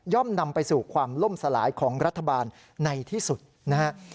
นำไปสู่ความล่มสลายของรัฐบาลในที่สุดนะฮะ